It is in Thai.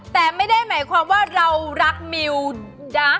แต่ไม่ได้หมายความว่าเรารักมิวนะ